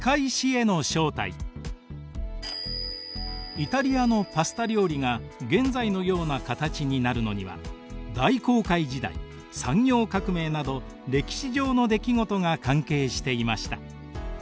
イタリアのパスタ料理が現在のような形になるのには大航海時代産業革命など歴史上の出来事が関係していました。